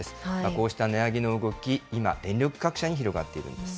こうした値上げの動き、今、電力各社に広がっているんです。